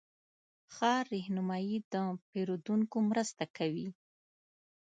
ښه رهنمایي د پیرودونکو مرسته کوي.